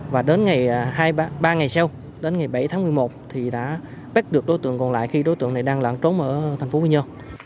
và đến ngày ba ngày sau đến ngày bảy tháng một mươi một thì đã bắt được đối tượng còn lại khi đối tượng này đang lặn trốn ở thành phố quy nhơn